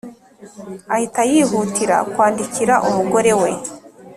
ahita yihutira kwandikira umugore we